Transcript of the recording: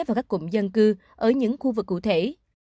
và các cụm dân cư ở những khu vực cụ thể